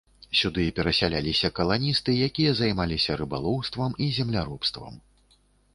Сюды перасяляліся каланісты, якія займаліся рыбалоўствам і земляробствам.